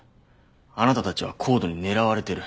あなたたちはＣＯＤＥに狙われてる。